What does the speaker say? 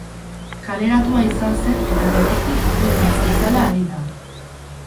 Kaleratua izan zen eta geroztik freelance bezala ari da.